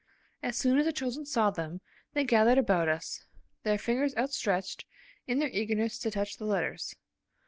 As soon as the children saw them they gathered about us, their fingers outstretched in their eagerness to touch the letters.